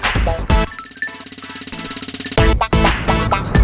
หนูยังมีประโยชน์อยู่บ้างเหรอ